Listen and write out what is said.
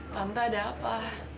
lama ada apa